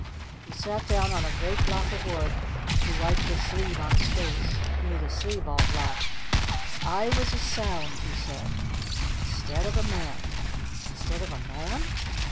He sat down on a great block of wood. He wiped his sleeve on his face. It made his sleeve all black. "If I was a Sound ?" he said. "Instead of a Man? Instead of a man?"